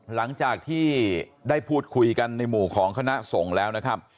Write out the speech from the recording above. หลังจากที่ได้พูดคุยกันในหมู่ของคณะสงฆ์แล้วนะครับ